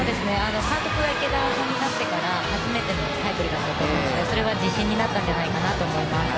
監督が池田さんになってから初めてのタイトルだったのでそれは自信になったんじゃないかと思います。